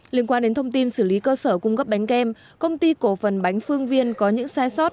liên quan đến thông tin xử lý cơ sở cung cấp bánh kem công ty cổ phần bánh phương viên có những sai sót